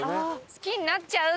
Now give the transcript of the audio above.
好きになっちゃう！